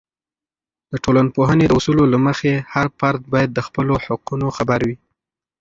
د ټولنپوهنې د اصولو له مخې، هر فرد باید د خپلو حقونو خبر وي.